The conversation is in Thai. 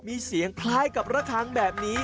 มีเสียงคล้ายกับระคังแบบนี้